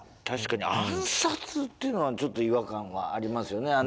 確かに暗殺っていうのはちょっと違和感がありますよね。